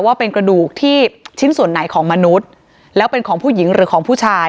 ว่าเป็นกระดูกที่ชิ้นส่วนไหนของมนุษย์แล้วเป็นของผู้หญิงหรือของผู้ชาย